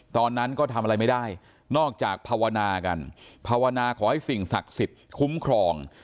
ตอนนั้นก็ทำอะไรไม่ได้นอกจากภาวนากันภาวนาขอให้สิ่งศักดิ์สิทธิ์คุ้มครอง